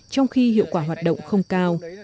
trong khi hiệu quả hoạt động không cao